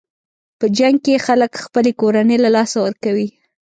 په جنګ کې خلک خپلې کورنۍ له لاسه ورکوي.